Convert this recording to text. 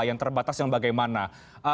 yang terbatas yang bagaimana